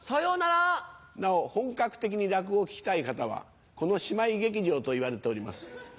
なお本格的に落語聴きたい方はこの姉妹劇場といわれております